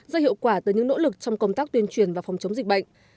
do hiệu quả từ những nỗ lực trong công tác tuyên truyền và phòng chống dịch bệnh